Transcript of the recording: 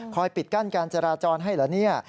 ปิดกั้นการจราจรให้เหรอเนี่ย